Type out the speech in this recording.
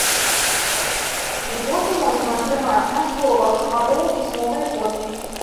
Згоду можна атрымаць на словах або ў пісьмовай форме.